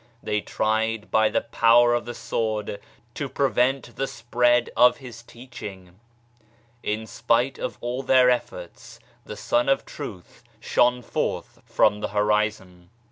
They tried by the power of the sword to prevent the spread of his teaching. In spite of all their efforts the Sun of Truth shone forth from the Horizon.